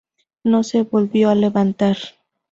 No se volvió a levantar.